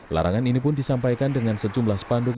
larangan ini pun disampaikan dengan sejumlah spanduk